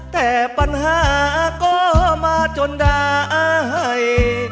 แต่ปัญหาก็มาจนได้